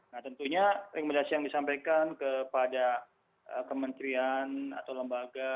nah tentunya rekomendasi yang disampaikan kepada kementerian atau lembaga